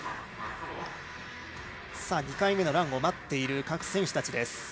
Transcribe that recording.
２回目のランを待っている各選手たちです。